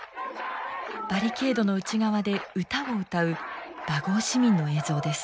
バリケードの内側で歌を歌うバゴー市民の映像です。